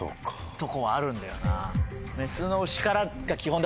とこはあるんだよな。